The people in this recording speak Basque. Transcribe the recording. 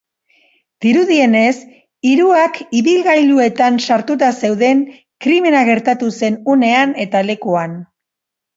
Dirudienez, hiruak ibilgailuetan sartuta zeuden krimena gertatu zen unean eta lekuan.